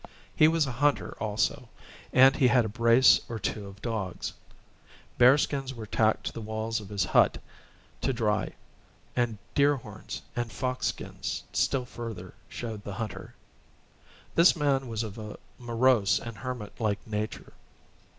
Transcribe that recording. He was a hunter also, and he had a brace or two of dogs. Bearskins were tacked to the walls of his hut, to dry; and deer horns, and fox skins still further showed the hunter. This man was of a morose and hermit like nature.